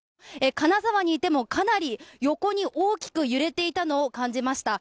金沢にいてもかなり横に大きく揺れていたのを感じました。